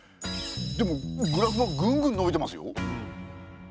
でもグラフはグングンのびてますよ。